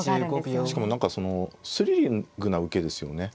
しかも何かスリリングな受けですよね。